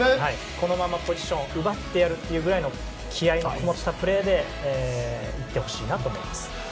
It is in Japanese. このままポジションを奪ってやるというくらい気合のこもったプレーで行ってほしいなと思います。